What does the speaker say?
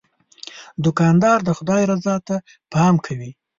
دوکاندار د خدای رضا ته پام کوي.